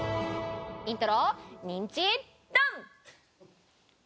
イントロニンチ・ドン！